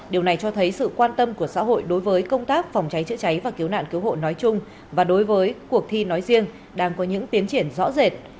điều này cho thấy sự quan tâm của xã hội đối với công tác phòng cháy chữa cháy và cứu nạn cứu hộ nói chung và đối với cuộc thi nói riêng đang có những tiến triển rõ rệt